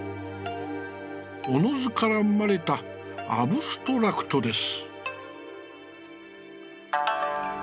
自ら生まれた、アブストラクトです」。